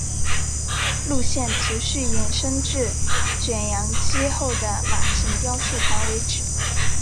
路线持续延伸至卷扬机后的马型雕塑旁为止。